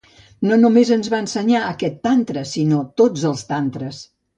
No només ens va ensenyar aquest tantra, sinó tots els tantres.